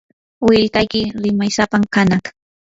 willkayki rimaysapam kanaq.